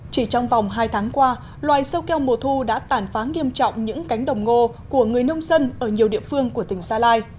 chỉ trong vòng hai tháng qua loài sâu keo mùa thu đã tàn phá nghiêm trọng những cánh đồng ngô của người nông dân ở nhiều địa phương của tỉnh gia lai